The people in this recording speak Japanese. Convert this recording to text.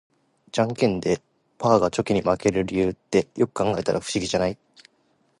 ジャンケンでパーがチョキに負ける理由って、よく考えたら不思議じゃない？